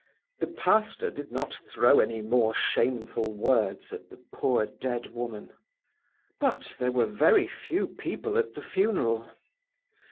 The pastor did not throw any more shameful words at the poor dead woman; but there were very few people at the funeral.